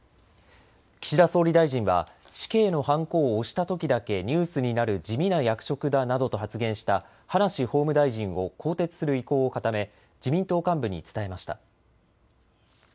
岸田総理大臣は死刑のはんこを押したときだけニュースになる地味な役職だなどと発言した葉梨法務大臣を更迭する意向を固め、自民党幹部に伝えました。